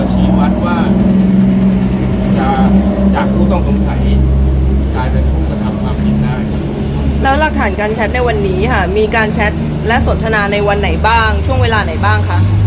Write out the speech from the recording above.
แล้วหลักฐานการแชทในวันนี้ค่ะมีการแชทและสนทนาในวันไหนบ้างช่วงเวลาไหนบ้างคะ